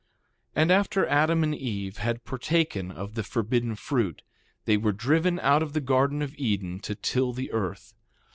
2:19 And after Adam and Eve had partaken of the forbidden fruit they were driven out of the garden of Eden, to till the earth.